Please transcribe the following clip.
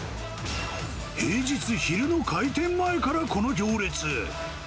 平日昼の開店前からこの行列。